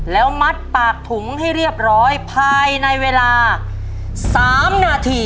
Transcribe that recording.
แล้วมัดปากถุงให้เรียบร้อยภายในเวลา๓นาที